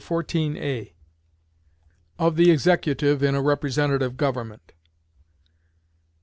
Chapter XIV Of the Executive in a Representative Government.